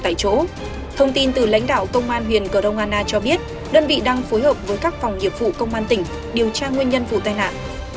thông tin từ lãnh đạo công an huyện cờ rông an na cho biết đơn vị đang phối hợp với các phòng nghiệp vụ công an tỉnh điều tra nguyên nhân vụ tai nạn